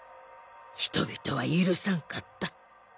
人々は許さんかった